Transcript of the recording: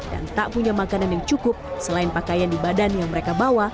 dan tak punya makanan yang cukup selain pakaian di badan yang mereka bawa